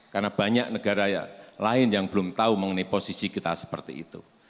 karena banyak negara lain yang belum tahu mengenai posisi kita seperti itu